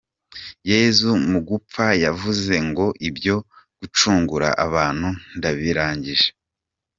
Yesu mu gupfa yavuze ngo ibyo gucungura abantu ndabirangije.